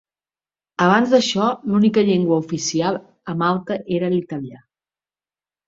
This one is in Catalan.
Abans d'això, l'única llengua oficial a Malta era l'italià.